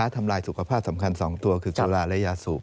ทำลายสุขภาพสำคัญ๒ตัวคือสุราและยาสูบ